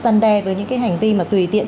gian đe với những cái hành vi mà tùy tiện